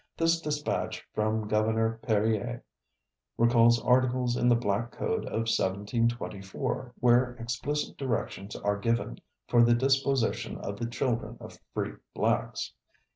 This dispatch from Gov. Perier recalls articles in the Black Code of 1724, where explicit directions are given for the disposition of the children of free blacks.